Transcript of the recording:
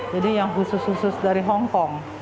jadi yang khusus khusus dari hong kong